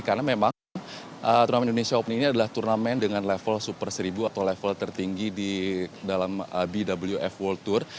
karena memang turnamen indonesia open ini adalah turnamen dengan level super seribu atau level tertinggi di dalam bwf world tour